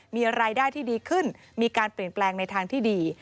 มีรายได้ที่ดีขึ้นมีการเปลี่ยนแปลงในทางที่ดี